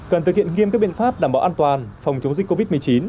cần thực hiện nghiêm các biện pháp đảm bảo an toàn phòng chống dịch covid một mươi chín